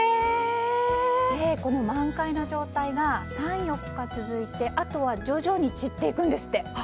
この満開の状態が３４日続いてあとは徐々に散っていくんですって。